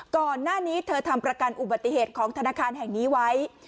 ก่อนหน้านี้เธอทำประกันอุบัติเหตุของธนาคารแห่งนี้ไว้